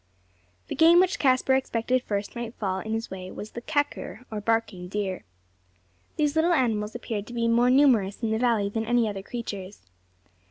The game which Caspar expected first might fall in his way was the "kakur," or barking deer. These little animals appeared to be more numerous in the valley than any other creatures.